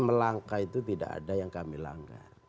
melangkah itu tidak ada yang kami langgar